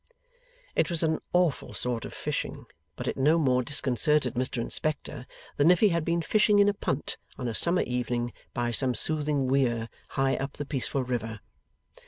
It was an awful sort of fishing, but it no more disconcerted Mr Inspector than if he had been fishing in a punt on a summer evening by some soothing weir high up the peaceful river.